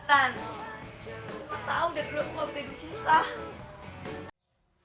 cuma tahu dan belum mau hidup susah